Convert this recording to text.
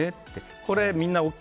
これ、みんなＯＫ？